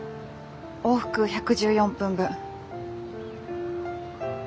往復１１４分ぶん。